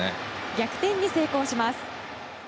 逆転に成功します。